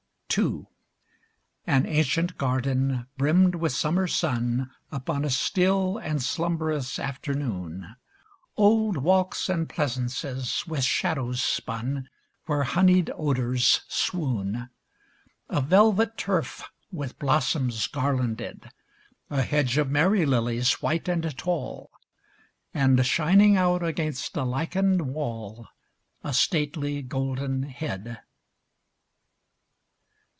II An ancient garden brimmed with summer sun Upon a still and slumberous afternoon; Old walks and pleasances with shadows spun Where honeyed odors swoon; A velvet turf with blossoms garlanded; A hedge of Mary lilies white and tall; And, shining out against a lichened wall, A stately golden head.